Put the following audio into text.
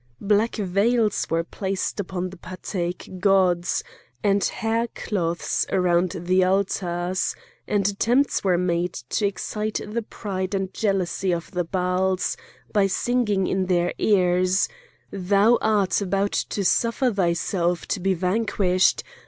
Black veils were placed upon the Patæc gods, and hair cloths around the altars; and attempts were made to excite the pride and jealousy of the Baals by singing in their ears: "Thou art about to suffer thyself to be vanquished!